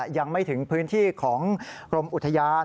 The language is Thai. ยังไม่ถึงพื้นที่ของกรมอุทยาน